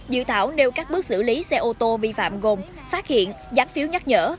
dự thảo nêu các bước xử lý xe ô tô vi phạm gồm phát hiện gián phiếu nhắc nhở